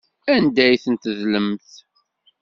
Anda ay ten-tedlemt?